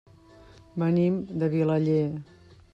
Venim de Vilaller.